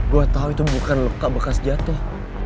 gue tau itu bukan luka bekas jatoh